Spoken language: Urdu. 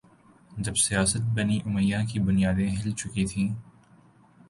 جب سیاست بنی امیہ کی بنیادیں ہل چکی تھیں